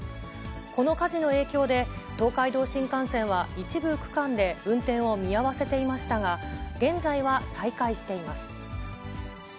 この火事の影響で、東海道新幹線は一部区間で運転を見合わせていましたが、現在は再開しています。